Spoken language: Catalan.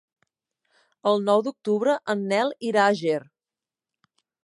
El nou d'octubre en Nel irà a Ger.